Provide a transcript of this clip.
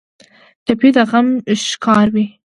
ټپي د غم ښکار وي.